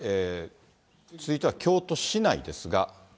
続いては京都市内ですが。